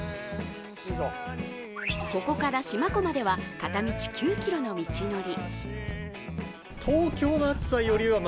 ここから四万湖までは片道９ｋｍの道のり。